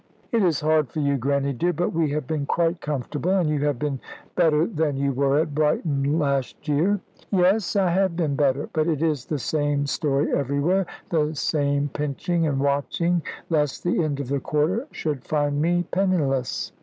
"It is hard for you, Grannie dear; but we have been quite comfortable, and you have been better than you were at Brighton last year." "Yes, I have been better, but it is the same story everywhere the same pinching and watching lest the end of the quarter should find me penniless."